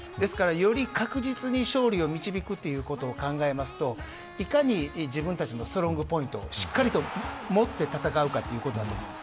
より確実に勝利を導くということを考えるといかに自分たちのストロングポイントをしっかり持って戦うかだと思います。